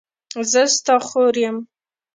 زه ستا خور یم.